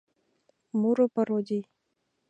Муро-пародий